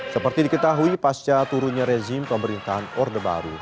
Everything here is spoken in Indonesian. seperti diketahui pasca turunnya rezim pemerintahan orde baru